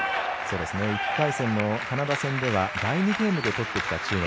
１回戦のカナダ戦では第２ゲームで取ってきた中国。